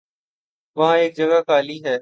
وہاں ایک جگہ خالی ہے۔